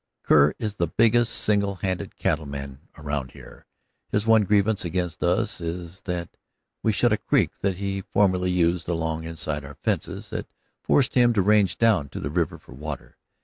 Kerr is the biggest single handed cattleman around here. His one grievance against us is that we shut a creek that he formerly used along inside our fences that forced him to range down to the river for water.